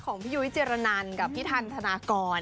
ของวิจารณานกับพี่ธรรณกร